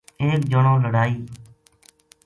ایک جنو لڑائی